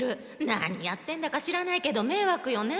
何やってんだか知らないけどめいわくよね。